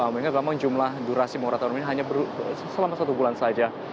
mengingat memang jumlah durasi moratorium ini hanya selama satu bulan saja